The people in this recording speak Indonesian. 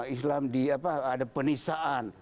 islam di apa ada penistaan